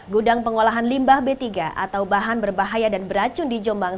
gudang pengolahan limbah b tiga atau bahan berbahaya dan beracun di jombang